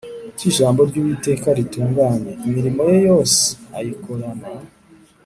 Kuki ijambo ry’uwiteka ritunganye, imirimo ye yose ayikorana